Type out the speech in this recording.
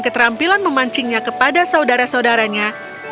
keterampilan memancingnya kepada saudara saudaranya